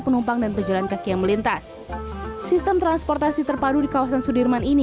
penumpang dan pejalan kaki yang melintas sistem transportasi terpadu di kawasan sudirman ini